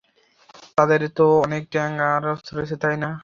তাদের তো অনেক ট্যাংক আর অস্ত্র রয়েছে, তাই না?